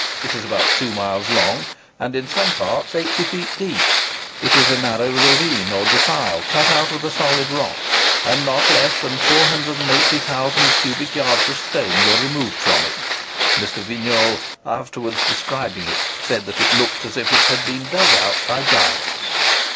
It is about two miles long, and in some parts 80 feet deep. It is a narrow ravine or defile cut out of the solid rock; and not less than 480,000 cubic yards of stone were removed from it. Mr. Vignolles, afterwards describing it, said it looked as if it had been dug out by giants.